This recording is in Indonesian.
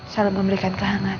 selalu memberikan kehangatan